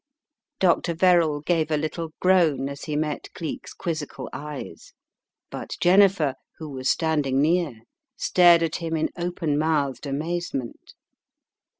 Dr. Verrall gave a little groan as he met Cleek's quizzical eyes, but Jennifer, who was standing near, stared at him in open mouthed amazement.